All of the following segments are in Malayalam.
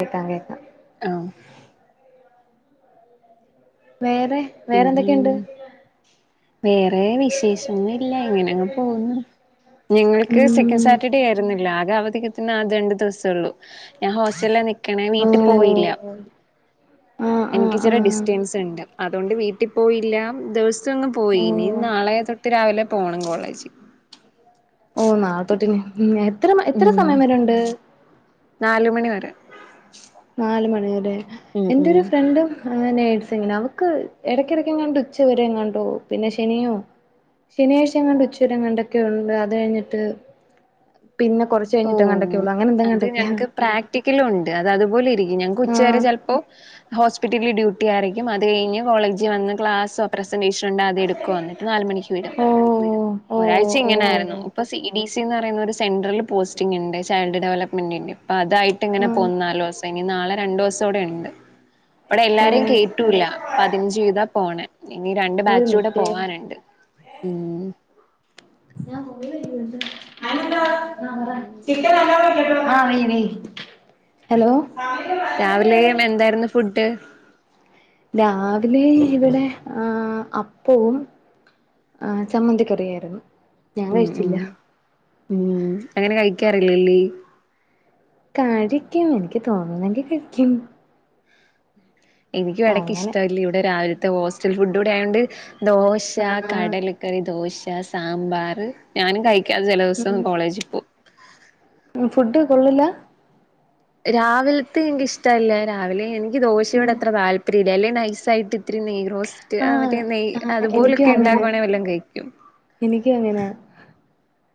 കേക്കാം കേക്കാം ആ വേറെ പിന്നെ വേറെന്തൊക്കെയുണ്ട് വേറെ വിശേഷൊന്നും ഇല്ല ഇങ്ങനെങ്ങെ പോകുന്നു ഞങ്ങൾക്ക് സെക്കൻഡ് ഉം സാറ്റർഡേ ആയിരുന്നില്ലോ ആകെ അവ ആ ദണ്ടണ്ട് ദിവസുള്ളൂ ഞാ ഹോസ്റ്റല ക്ക ഞൻ ഓ വീട്ടിൽ പോയില്ല ആഹ് ആഹ് എനിക്ക് ചെറിയ ആഹ് ഡിസ്റ്റൻസ് ഉണ്ട് അതുകൊണ്ട് വീട്ടിൽ പോയില്ല ദിവസൊന്നും പോയി ഓ ഇനി നാളെ തൊട്ട് രാവിലെ പോണം കോളേജ് മ എത്ര എത്ര സമയം വരുണ്ട് നാലു മണി വരെ നാല് മണി വരെ ഉം എന്റെ ഉം ഒരു ഫ്രണ്ടും അങ്ങനേ [unintelligible] അവക്ക് ഇടക്കെടക്കങ്ങാണ്ട് ഉച്ചവരെ എങ്ങാണ്ടോ പിന്നെ ശനിയോ ശനിയാഴ്ചങ്ങയെങ്ങാണ്ട് ഉച്ചവരെങ്ങയെങ്ങാണ്ടൊക്കെ ഉണ്ട് അത് കഴിഞ്ഞിട്ട് പിന്നെ കുറച്ച് ഓ കഴിഞ്ഞിട്ടെങ്ങാണ്ടൊക്കെ ഉള്ളൂ അങ്ങനെ അത് എന്തെങ്ങാണ്ടൊക്കെയാ ഞങ്ങക്ക് പ്രാക്ടിക്കലും ഉണ്ട് അതതുപോ ലിരിക്കും ഞങ്ങക്ക് ഉച്ചവരെ ആഹ് ചിലപ്പൊ ഹോസ്പി റ്റലി ഡ്യൂട്ടി ആയിരിക്കും അത് കഴിഞ്ഞ് കോളേജി വന്ന് ക്ലാസ്സൊ റസ് ൻ്റേഷനുണ്ട് അതെടുക്കു അന്നിട്ട് നാലുമണിക്ക് വിടും ഓ ഓ ഒരാഴ്ച ഓ ഇങ്ങനായിരുന്നു ഓ ഇപ്പൊ സി ബി സി എന്ന് പറയുന്ന ഒരു സെൻട്രൽ പോസ്റ്റിംങ് ഇണ്ട് ചൈൽഡ് ഡെവലപ്മെൻ്റിൻ്റെ അപ്പ അതായിട്ട് ഇങ്ങനെ പോവും ന്നാലോ [unintelligible] നാളെ രണ്ടു ദിവസം കൂടെ ഇണ്ട് ഇവിടെ എല്ലാരേം ആഹ് ഓ കേറ്റൂല്ല പതിൻഞ്ച് ചെയീതാ പോണേ ഇനി രണ്ട് ഒരു ബാച്ചുടെ മിനിറ്റ് പോവാനുണ്ട് ഉം ഹലോ രാവിലെയും എന്തായിരുന്നു ഫുഡ് രാവിലെ ഇവിടെ ആ അപ്പവും ആ ചമ്മന്തിക്കറിയായിരുന്നു ഞാൻ ഉം ഉം കഴിച്ചില്ല ക്കാറില്ലല്ലേ ആയിരിക്കും ഇൻക്ക് തോന്നുന്നെങ്കി കഴിക്കും എനിക്കും ഇടയ്ക്ക് അങ്ങനെ ഇഷ്ടവില്ല ഇവിടെ രാവിൽ ത്തെ ഹോസ്റ്റൽ ഫുഡ് കൂടെയായോണ്ട് ദോശ ആ കടലക്കറി ദോശ സാമ്പാർ ഞാനും കഴി ക്കാതെ ചെല ദിവസം ഉം കോളേജിൽ പോവും ഫുഡ് കൊള്ളില്ലാ രാവിലത്തെ എനിക്കിഷ്ടല്ല രാവിലെ എനി ക്ക് ദോശയോടത്ര താല്പര്യമില്ല അല്ലെ നൈ സയ്ട്ട് ത്തിരി നെയ്യ് റോസ്റ്റ് ആ മറ്റെ നെയ് ആ എനിക്കും അതുപോലൊക്കെ അങ്ങനെ ഉണ്ടാക്കുവാണെ വല്ലാം കഴിക്കും എനിക്കും അങ്ങനെ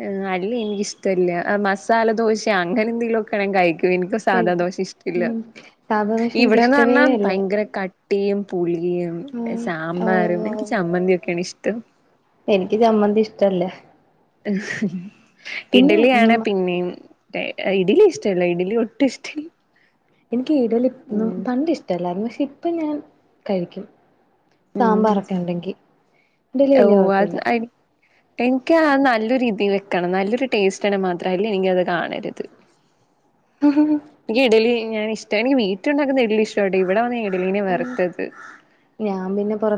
ആ അല്ല എനിക്കിഷ്ടവില്ല മസാല ദോശ അങ്ങനെ എന്തെങ്കിലും ഒക്കെ ആണെങ്കി കഴിക്കും എനിക്കും സാധാ കഴിക്കും ദോഷ ഇഷ്ടില്ല ഉം സാധാ ദോശ എനിക്ക് ഇവിടെന്ന് ഇഷ്ടവേ പറഞ്ഞാ അല്ല ഭയങ്കര ക ടിയം പുളി യും ഉം ഓ സാമ്പാറും എനിക്ക് ചമ്മന്തി ഒക്കെയാണ് ഇഷ് ത്തം എനിക്ക് ചമ്മന്തി ഇഷ്ടല്ല ഉ പിന്നെ ഇഡലിയ ആാണ് ഉം പിന്നെയും ഇഡ്ലി ഇഷ്ടല്ല ഇഡലി ഒട്ടും ഇഷ്ട ഇല്ല ക്ക്ഈടല ഇന്നും പണ്ട് ഇഷ്ടല്ലായിരുന്നു പക്ഷെ തിപ്പ് ഞാൻ കഴിക്കും ഉം സാമ്പാറൊക്കെ ഉണ്ടെങ്കി ഇന്തലല് ഓ വല്ിയ കൊഴപ്പില്ല അത് എനിക്ക് നല്ലൊരു രീതിയിൽ വെക്കണം നല്ലൊരു ടേസ്റ്റ് ആണ് മാത്രല്ല എനിക്ക അത് കാണരുത് ഇ ഡല ഞാന ഇഷ്ട എക്ക് വീട്ടുണ്ടാക്കുന്ന വെി ഇഷ്ടട്ട ഇവിടെ വന്ന് വറത്തത്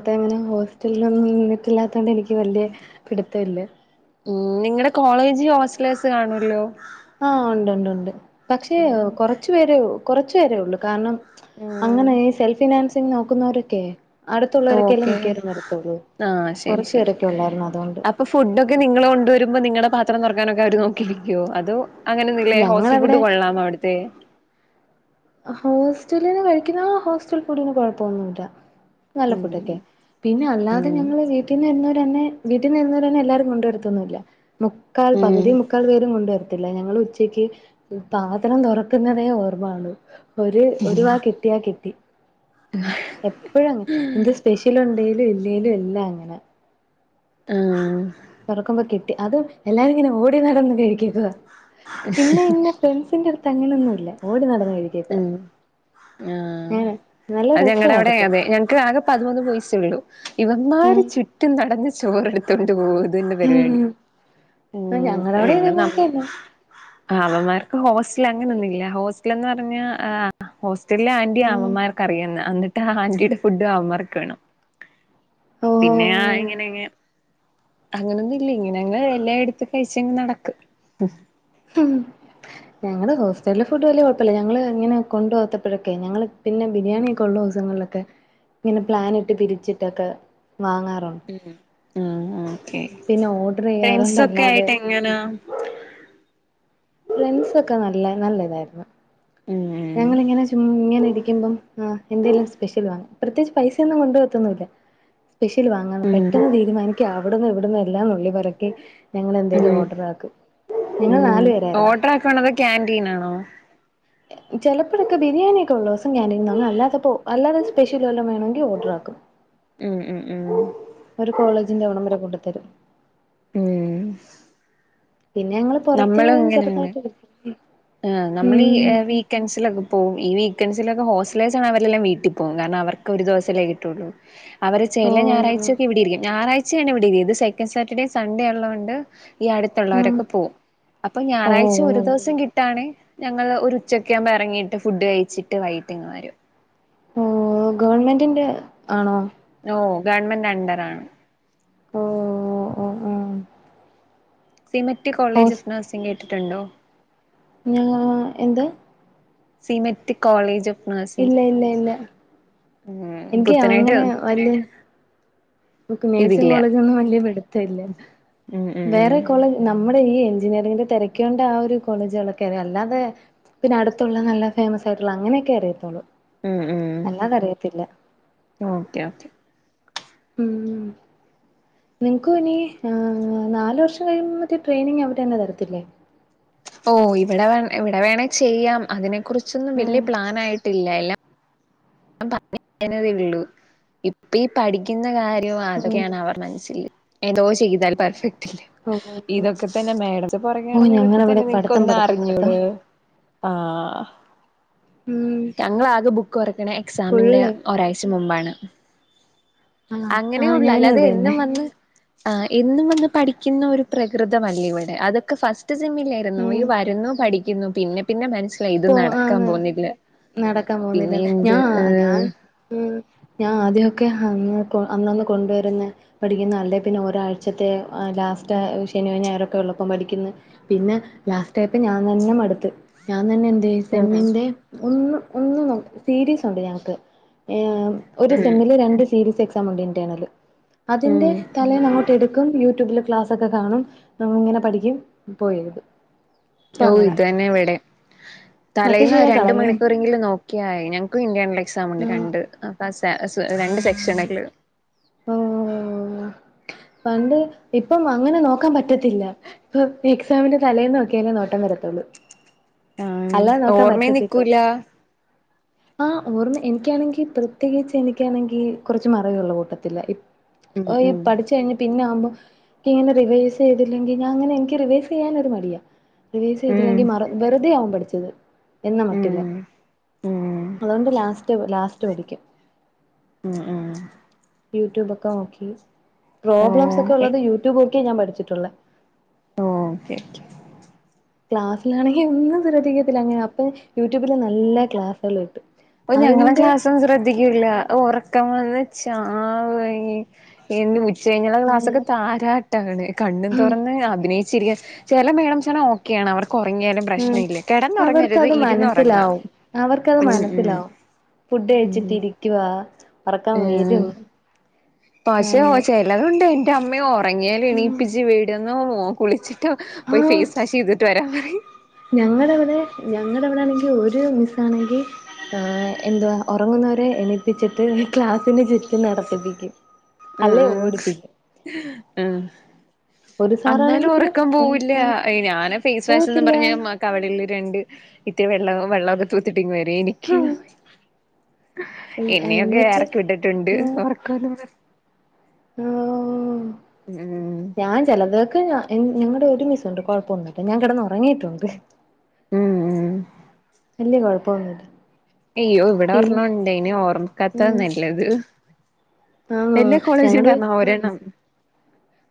ങ്ങനെ ഹോസ്റ്റലിലന്നും നിന്നിട്ടില്ലാത്തോണ്ട് എനിക്ക് വല്ിയ പിടുത്തം ഇല്ല ഉം നിങ്ങളടെ കോളേജ് ഹോസ്റ്റലേഴ്സ് കാണുമല്ലോ ആഹ് ഉണ്ട് ഉണ്ട്ണ്ട് പക്ഷേ ഉം കുറച്ചു പേര് കുറച്ചു പേരേ ഉള്ളൂ കാരണം അങ്ങനെ ഉം ഈ സെൽഫിനാൻസ് ന്നീ നോക്കുന്നോരൊക്കെ ഓക്കെ ആശരി കുറച്ചു ശരി പേരൊക്കെ ഉള്ളായിരുന്നു അതുകൊണ്ട് അപ്പൊ ഫുഡൊക്കെ നിങ്ങള് കൊണ്ടുവരുമ്പോ നിങ്ങടെ പാത്രത് പാത്രം തുറക്കാനൊക്കെ അവര് നോക്കി നിക്കുവോ അതോ അങ്ങനെ ഒന്നല്ലേ ഹോസ്റ്റൽ ഞങ്ങളവിടെ ഫുഡ് കൊള്ളാമോ അവിടുത്തെ ഹോസ്റ്റലിന്നെ കഴിക്കുന്ന ഹോസ്റ്റൽ ഫൂഡിന് കൊഴപ്പമൊന്നും ഇല്ല നല്ല ഫുഡ് ഉം ഒക്കെയാ പിന്നെ അല്ലാതെ ഉം ഞങ്ങള് വീട്ടീന്ന് വരുന്നോരെ വീട്ടിന്ന് വരുന്നവര് തന്നെ എല്ലാരും കൊണ്ടുവരത്തൊന്നുമില്ല മുക്കാൽ ഉം പകുതിയും മുക്കാൽ പേ രും കൊണ്ടുവരും ല്ല ഞങ്ങൾ ഉച്ചയ്ക്ക് പാത്രം തുറക്കുന്നതേ ഓർമ്മ കാണു ഒരു ഒരുവാ കിട്ടിയാ കിട്ടി എപ്പഴും ങ്ങ എന്ത് സ്പെഷ്യൽ ഉണ്ടെേലും ഇൽ ഇലും എല്ലാം അങ്ങനെ ആ തുറക്കുമ്പോ കിട്ടി അതും എല്ലാരും ഇങ്ങനെ ഓടി നടന്നു കഴിക്കുവ പിന്നെ ഇന്നെ ഫ്രണ്ട്സിന്റെടുത്ത് അങ്ങനൊന്നുമല്ല ഓടി നടന്ന് ഉ കഴിക്കുവാ ആ അങ്ങനെ നല്ല അത് ഞങ്ങളുടെ രസവാ അവിടെ അതൊക്കെ അതെ ഞങ്ങക്ക് ആകെ പതിമൂന്ന് ബോയ്സേ ഉള്ളു ഉം ഇവന്മാര് ചുറ്റും നടന്ന് ചോറെടുത്തോണ്ട് പോകുന്നു ഇതന്നെ ഉം പരിപാടി ആ ഉം ഞങ്ങളവിടെ പിന്നെ നമ്മ ഇതേപോലെക്കെന്നെ ആ അവമ്മാർക്കേ ഹോസ് ഇല്ല അങ്ങനൊന്നുമില്ല [unintelligible] പിന്നെ ആ ഹോസ്റ്റ് എല്ലാ ആന്റിയേം ഉം അവമ്മാർക്കറിയാവുന്ന ആന്റീടെ ഫുഡും അവൻമാർക്ക് വേണം ഓഹോ പിന്നെ ആ ഇങ്ങനങ്ങെ അങ്ങനൊന്നുംഇല്ല ഇങ്ങനെ അങ്ങ എല്ലാ എടുത്ത് കഴിച്ചങ്ങെ നടക്കും ഞങ്ങടെ ഹോസ്റ്റലെ ഫുഡ് വലിയ കുഴപ്പല്ല ഞങ്ങള് ഇങ്ങനെ കൊണ്ട് പോത്തപ്പോഴൊക്കെ ഞങ്ങള് പിന്നെ ബിരിയാണി ഒക്കെ ഉള്ള ദിവസങ്ങളിലൊക്കെ ഇങ്ങനെ പ്ലാൻ ഇട്ട് പിരിച്ചിട്ടൊക്കെ വാങ്ങാറുണ്ട് ഉം ഓ ഒക്കെ പിന്നെ ഓർഡർ ഫ്രണ്ട് ചെയ്യാറുണ്ട് സൊക്കെ അല്ലാതെ ആയിട്ട് എങ്ങനാ ഫ്രണ്ട്സൊക്കെ നല്ല നല്ല ഇതായിരുന്നു ഉം ആ എന്തേലും സ്പെഷ്യൽ വാങ്ങ പ്രത്യേകിച്ച് പൈസയൊന്നും കൊണ്ടുപോവത്തൊന്നുമില്ല സ്പെഷ്യൽ വാങ്ങ അതാണ് ഉം പെട്ടെന്ന് തരുമാനിക് ക്ക്‌ അവിടുന്നും ഇവിടുന്നും എല്ലാം നുള്ളി പെറക്കി ഞങ്ങളെ ന്തേലും ഉം ഓർഡർ ആക്കും ഞങ്ങൾ നാലു പേരായിരുന്നു. ഓർഡർ ആക്കണത് ക്യാന്റീനാണോ? ചിലപ്പോഴൊക്കെ ബിരിയാണിയൊക്കൊള്ള ദിവസം ക്ന്റീൻന്നാണ് അല്ലാത്തപ്പോ അല്ലാതെ സ്പെഷ്യൽ വല്ലോം വേണെങ്കിൽ ഓർഡർ ആക്കും ഉം ഉം ഉം തിന്റെ ഒടമന്നെ കൊണ്ടുത്തരും ഉം പിന്നെ ഞങ്ങള് പുറത്തു പോയും നമ്മളങ്ങനെയാണ് ചെറുതായിട്ട് കഴിക്കും. നമ്മൾ ഈ ഉം വീക്കൻസിലൊക്കെ പോവും ഈ വീക്കൻസ് തിലൊക്കെ ഹോസ്റ്റലേഴസാണേ അവരെല്ലാം വീട്ടിൽ പോവും കാരണം അവർക്ക് ഒരു ദിവസല്ലേ കിട്ടുള്ളൂ അവര് ചെല ഓഹ് ഞാറയാഴ്ചൊക്കെ ഇവിടെരിക്കും ഞായറഴ് ശനി ഇവിടെരിക്കും ഇത്സെക്കൻ് സാറ്റർഡേ സൺഡേ ഉള്ളതോണ്ട് ഈ ആഹ് അടുത്തുള്ളവരൊക്കെ പോവും അപ്പൊ ഞായറാഴ്ച ഓഹ് ഒരു ഓഹ് ദിവസം കിട്ടാണേ ഞങ്ങൾ ഒരു ഉച്ചക്കെ ആവുമ്പോ ഇറങ്ങീട്ട് ഫുഡ് കഴിച്ചിട്ട് വൈകട്ടിങ്ങ് വരും ഓ ഗവൺമൻ്റിൻ്റെ ആണോ ഓ ഗവണ്മെൻ്റ് അണ്ടറാണ് ഓ ഓ ഓ ഓ സിമെറ്റ് കോളജ് ഓ്ഫ് നഴ്സിംഗ് ട്ടുണ്ടോ ഞാ എന്ത്? സിമെറ്റ് കോളേജ് ഓഫ് നഴ്സിംഗ് ഇല്ല ഇല്ല ഇല്ല ഉം എനിക്ക് പുത്തനായിട്ട് അങ്ങനെ വല്യ മ്മക്ക് നേഴ്സിങ് ഇതില്ല കോളേജ് ഒന്നും വലിയ പിടുത്തല്ല ഉം ഉം ഉം വേറെ കോളേജ് നമ്മുടെ ഈ എഞ്ചിനീയറിങ്ങിന്റെ തിരക്കൊണ്ട് ആ ഒരു കോളേജുകളൊക്കെ അറിയാം അല്ലാതെ പിന്നെ അടുത്തുള്ളത് നല്ല ഫേമസ് ആയിട്ടുള്ള അങ്ങനെയൊക്കെ അറിയത്തുള്ളൂ ഉം ഉം അല്ലാതെ അറിയത്തില്ല ഓക്കെ ഓക്കെ ഉം നിങ്ങക്കിനി നാല് വർഷം കഴിയുമ്പോ ട്രെയിനിങ് അവിടെ തന്നെ തരത്തില്ലേ ഓ ഇവിടെ വേണേ ഇവിടെ വേണെ ചെയ്യാം അതിനെ കുുറിച്ച് ഇതൊന്നും ഉം വലിയ പ്ലാൻ ആയിട്ടില്ല എല്ലാം തേള്ളു ഈ പഠിക്കുന്ന കാര്യ തോ ഉം അതൊക്കെയാണ് അവർടെ മനസ്സില് എന്തോ ചെയ്താൽ പെർഫെക്റ്റ് ഓ ഇതൊക്കെ തന്നെ മേഡത്തെ ഓ പറയാണങ്കി ഇതൊക്കെ ഞങ്ങളവിടെ തന്നെ നിനക്ക് പഠിത്തം ഒന്ന് പഠിത്തം പഠിത്തം അറിഞ്ഞൂടെ ആ ഉം ഞങ്ങളാകെ ബുക്ക് തൊറക്ക എക്സാമിന്റെ ഫുള്ള് ഒരാഴ്ച മു മുമ്പാണ് ആഹ് അങ്ങനെയ ആഹ് ഉള്ളു ഞാനും അല്ലാതെ അത് തന്നെ എന്നും വന്ന് ആ് എന്നും വന്ന് പഠിക്കുന്ന ഒരു പ്രകൃതമല്ല ഇവിടെ അതൊക്കെ ഫസ്റ്റ് സിമ്മില്ലായിരുന്നു ഉം വരുന്നു പഠിക്ക പിന്നെ പിന്നെ മനസ്സിലായി ഇത് പോ ആ നടക്കാൻ പോന്നില്ല നടക്കാൻ പോുന്നില്ല പിന്നെ എന്ത് ആ ഏഹ് ഞാൻ ഉ ഞാൻ ആദ്യൊക്കെ അന്ന് അന്ന്ൊന്ന് കൊണ്ടുവരുന്ന പഠിക്കുന്ന അല്ല പിന്നെ ഒരാഴ്ചത്തെ ലാസ്റ്റ് ശനി അയതിനായിരംൊക്കെ ഉള്ളപ്പോം പഠിക്കന്ന് പിന്നെ ലാസ്റ്റ്യപ്പ ഞാൻ തന്നെ അടുത്ത് അതെ ഉം സെമ്മിന്റെ ഒന്ന് ഒന്നും സീരീസ് ഉണ്ട് ഞങ്ങൾക്ക് ഒരു സെമിലെ രണ്ട് സീരീസ് എ ചമണ്ടിൻ ണൽ അതിന്റെ ഉം തലെ അങ്ങോട്ട് എടുക്കും യൂട്യൂബിൽ ക്ലാസ്ൊക്കെ കാണും നമ്മ ഇങ്ങനെ പഠിക്കും പോയരുത് ഓ ഇത് തന്നെ ഇവിടെ മറ്റേ തലേന്ന് ശീലം രണ്ട കളഞ്ഞ് മണിക്കൂറെങ്കിലും നോക്കിയായി ഞങ്ങക്കും ഇന്ത്യണ എക്സാം ഉണ്ട് ആഹ് രണ്ട് രണ്ട് സെക്ഷനക്കൾ ഓ പണ്ട് ഇപ്പം അങ്ങനെ നോക്കാൻ പറ്റത്തില്ല ഇപ്പൊ എക്സാമിന്റെ തലേന്ന് നോക്കിയാലേ നോട്ടം വരത്തൊുള്ളൂ ആഹ ഓർമ്മ നിിക്കൂല്ല ആഹ ഓർമ്മ എനിക്കാണെങ്കി പ്രത്യേകിച്ച് എനിക്കാണെങ്കി കുറച്ച് മറവള്ള കൂട്ടത്തില്ല ഉം ഉം ആകുംമ്പോ എനിക്ക് ഇങ്ങനെ റിവേഴ്‌സ് ചെയ്തിലിങ്കി ഞങ്ങനെ എനിക്ക് റിവൈസ് ചെയ്യാനൊരു മടി റിവീസ് ഉം ചെയ്തില്ലെങ്കി മ വെറുതെ ആവുമ്പഴും പിന്നെ [unintelligible] എന്ന മട്ടിലാ ഉം ഉം പിള്ളാർക്ക് ലാസ്റ്റ് ലാസ്റ്റ് എട്ട് മണിക്ക് ഉം ഉ യൂട്യൂബൊക്കെ നോക്കി പ്രോബ്ലമ്സ് ഒക്കെ ഓ ഉള്ളത് യൂട്യൂബ്- [unintelligible] ഞാൻ പഠിച്ചിട്ടുളേ ഓക്കെ ഓക്കെ ക്ലാസ്സിലാണെങ്കിൽ ഒന്നും ശ്രദ്ധിക്കത്തില്ലേനെ അങ്ങനെ അപ്പ യൂട്യൂബില് നല്ല ക്ലാസുകൾ കട്ട്, - അപ്പ ഞങ്ങളെ ക്ലാസ്സൊന്നും ശ്രദ്ധിക്കില്ല ഉറക്കം വന്ന്- ആ എ [unintelligible] പക്ഷെ കഴിഞ്ഞാ ആ ക്ലാസ്സൊക്കെ താരാട്ടാണ് കണ്ണും തൊറന്ന് അഭിനായി ശരിയാ ചെല മേഡാംസ്‌ ആണേ ഓക്കെണ് അവ ഉറങ്ങിയാലും ഉം പ്രശ്നല്ല കെടന്നുറങ്ങരുത് അവർക്കത് ഇരുന്ന് ഉറങ്ങാം മനസ്സിലാവും അവർക്കത് ഫുഡ് കഴിച്ചിട്ട് ഇരിക്കുവാ പറക്കാൻ വരും ഏഹ് പക്ഷെ അങ്ങ് ചെലതുണ്ട് എന്റെ അമ്മയ ഓ തങ്ങിയാൽ എണീപ്പിച്ച് വിടുന്നു നോ കുളിച്ച് ആ ഞങ്ങളടെ എവിടെ ഞങ്ങളടെ എവിടെ ആണെങ്കിൽ ഒരു മിസ്- ആണെങ്ക എന്തുവാ ഉറങ്ങുന്നവരെ എണിപ്പിച്ചിട്ട് ക്ലാസ്സിന് ചുറ്റും നടത്തിപ്പിക്കും ഉം അല്ലെ ഉം ഓടിപ്പിക്കും ഉം ഒരു സാറാണെങ്കി അന്നാലും പിന്നെ ഉറക്കം പോവില്ല ഞാനാ ഫേസ് വാഷ്ന്ന് പോവത്തില്ല പറഞ്ഞ കവളില് രണ്ട്- ഇത്തിരി വെള്ള വെള്ള തൂത്തിട്ട വരെ എനിക്ക് എന്നെയൊക്കെ എന്നിട്ട് ഇറക്കിവിട്ടിട്ടുണ്ട് ഉറക്കന്ന ഓ ഉം ഞാൻ ചെലതക്ക് കാണും ഞങ്ങളുടെ ഒരു മിസ്‌ ഉണ്ട് കുഴപ്പമൊന്നല്ലോ ഞാൻ കെടന്ന ഉറങ്ങിട്ടുണ്ട് ഉം ഉ കുഴപ്പൊന്നുല്ല അയ്യോ ഇവിടെ ഒർണ്ണം ഒണ്ടയന് ഓർമ് കത്താ ആഹ് നെല്ലത് ആഹ് എല്ലാ കോളേജിലും കാ ണാ ഒരെണ്ണം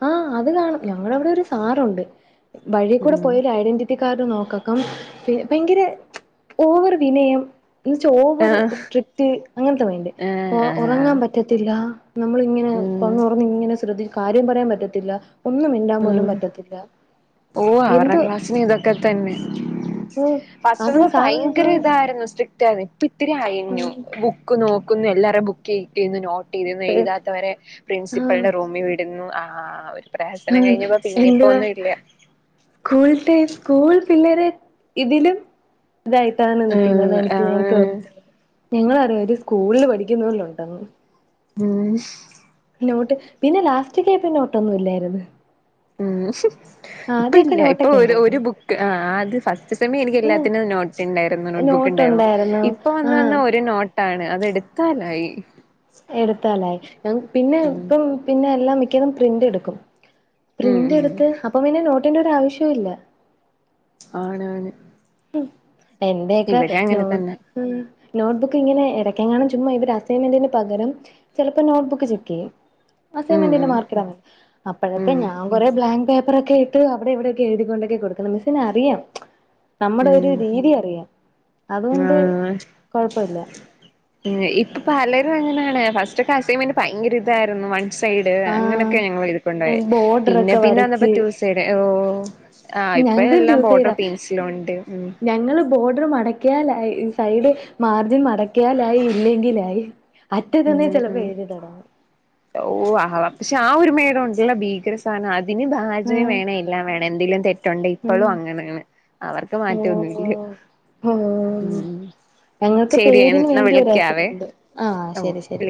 ആ അത് കാണും ഞങ്ങളുടെ അവിടെ ഒരു സാറൊണ്ട് വഴി കൂടെ ഉം പോയല് ഐഡന്റിറ്റി കാർഡ് നോക്കും ഭയങ്കര ഓവർ വിനയം എന്ന വച്ച ഓവർ ആഹ് സ്ട്രിക്ട് അങ്ങനത്തെ മയിന്റ് ആഹ് ആഹ് ഉറങ്ങാൻ പറ്റത്തില്ല നമ്മളിങ്ങനെ ഉം കണ്ണൊറന്നു ഇങ്ങനെ ശ്രദ്ധിച്ച പറയാറ്റത്തില്ല ഉ ഓ അവരുടെ എന്ത് ക്ലാസിന് ഇതൊക്കെ തന്നെ ഓ അത് ഫസ്റ്റ് സാറ് ഭയങ്കര ആഹ് ഇതായിരുന്നു സ്ട്രി [unintelligible] ഇത്തിരി അയിഞ്ഞു ബുക്ക് നോക്കി എല്ലാരും ബുക്ക് ചെക്കെയ് നോട്ട് എഴുതാത്തവരെ പ്രിൻസിപ്പിന്റെ റൂമിൽ വിടുന്നു ആ ഒരു ആ പ്രഹസനം കഴിഞ്ഞപ്പോ പിന്നെ ഇപ്പ എതുവാ ഒന്നും ഇല്ല സ്കൂൾത്തെ സ്കൂൾ പിള്ളേരെ ഇതിലും ഇതായിട്ടാണ് ഉം നിൽിക്കുന്നന്ന് എനിക്ക് ഞാൻ ആണ് കേിട്ടത് ഞങ്ങളറ ഒരു സ്കൂളില് പഠിക്കുന്നലുണ്ട ഉം പിന്നോട്ട് പിന്നെ ലാസ്റ്റ് കേ പിന്നോട്ടൊന്നും ഇല്ലായിരുന്നു ഉം ഇപ്പ ആദ്യമൊക്കെ ഇല്ല ഇപ്പൊ നോട്ടൊക്കെ ഒരു ഒരു ഉണ്ടായിരുന്നു ബുക്ക് ആ അത് ഫസ്റ്റ് സമയം എനിക്ക് ഉം എല്ലാത്തിനും നോട്ടുണ്ടായിരുന്നു നോട്ട് ബുക്ക് ഉണ്ടായിരുന്നു നോട്ടുണ്ടായിരുന്നു ഇപ്പൊ വന്ന് ആഹ് വന്ന ഒരു നോട്ട് ട്ടാണ് അതെടുത്താലായി എടുത്താലേ ഞ പിന്നെ ഇപ്പം പിന്നെ മിക്കും പ്രിന്റ് എടുക്കും ഉം പ്രിന്റ് ഉം എടുത്ത് അപ്പൊ പിനെ നോ ആവശ്യം ഇല്ല ആണ് ആണ് [unintelligible] എന്തൊക്കെ ഇവിടെ നോ അങ്ങനെ തന്നെ നോട്ട്ബുക്ക് ഇങ്ങനെ ഇടയ്ക്കെ കാാനും ചുമ് ഇവര് അസൈൻമെന്റിന് പകരം ചിലപ്പോ നോട്ട്ബുക്ക് ചെക്ക് ചെയ്യും ഉം അസൈൻമെന്റിന്റെ ഉം മാർക്കടാ അപ്പോഴത്തെ ഉം ഞാൻ കൊറെേ ബ്ാക്േ അപ്പറൊക്കെ ഇട്ട് അവിടെ എവിടെയൊക്കെ എഴുതി കൊൊണ്ടൊക്കെ കൊടുക്കണം മിസ്സിനെ അറിയാം നമ്മുടെ ഒരു ഉം രീതി അറിയാം അതുകൊണ്ട് ആഹ് കൊഴപ്പില്ല ഇപ്പൊ പലരും അങ്ങനെയാാണ് ഫസ്റ്റ് ഒക്കെ അസൈമറ് ഭയങ്കര ഇതായിരുന്നു സൈഡ് അങ്ങനെയൊക്കെ ഞങ്ങൾ ഇത് കൊണ്ടപ ആഹ് പോയ പിന്നെ ബോർഡറൊക്കെ പിന്നെ വന്നപ്പോ വരച്ച് ടു സൈഡ് ഓ ആഹ ഇപ്പ ഞങ്ങക്കും ടു എല്ലാം ബോർഡർ സൈഡാ പീൻസിലും ഉണ്ട് ഉ മടക്കാലായി സൈഡ് മാർജിൻ മടക്കിയാലായി ഇല്ലെങ്കിലായി ഉ അറ്റത്തുന്നേ ചിലപ്പോ എഴുതി തുടങ്ങും ഓ ആഹ പക്ഷെ ആ ഒരു- ണ്ടല്ല [unintelligible] ഭീകര സാനം അതിന് പാജ വേണ എല്ലാം വേണം എന്തങ്കിലും ഇപ്പോഴും അങ്ങനാണ് അവർക്ക് മാറ്റൊന്നുമല്ല ഞങ്ങൾക്ക് ശരിയ പേരിന് എന്നാ വേണ്ടി ഒരു വിളക്കാവേ രസമുണ്ട് ആഹ് ശരി ശരി